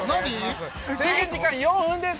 制限時間４分です。